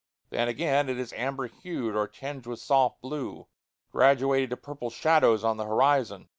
Then, again, it is amber hued, or tinged with soft blue, graduated to purple shadows on the horizon.